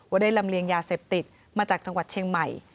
ได้ลำเลียงยาเสพติดมาจากจังหวัดเชียงใหม่